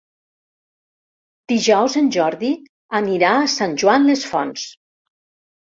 Dijous en Jordi anirà a Sant Joan les Fonts.